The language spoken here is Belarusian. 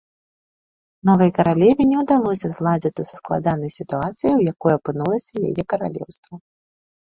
Новай каралеве не ўдалося зладзіцца са складанай сітуацыяй, у якой апынулася яе каралеўства.